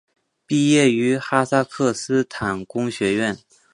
毕业于哈萨克斯坦工学院。